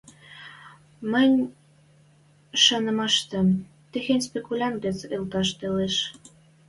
Мӹнь шанымаштем, техень спекулянт гӹц ытлаш лиэш.